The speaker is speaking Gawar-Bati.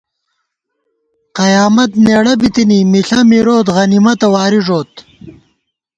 قیامت نېڑہ بِتِنی، مِݪہ مِروت غنیمتہ واری ݫوت